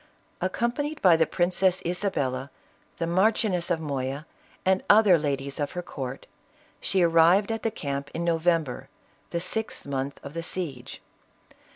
Accompanied by the Princess Isabella, the Mar chioness of Moya, and other ladies of her court, she arrived at the camp in November, the sixth month of the siege.